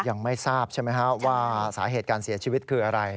ยังไม่ทราบใช่ไหมครับว่าสาเหตุการเสียชีวิตคืออะไร